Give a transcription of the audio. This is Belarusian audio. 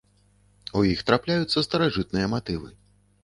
У іх трапляюцца старажытныя матывы.